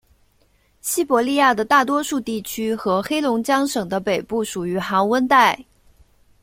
西伯利亚的大多数地区和黑龙江省的北部属于寒温带。